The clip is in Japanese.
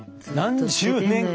何十年間。